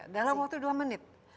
dalam waktu dua menit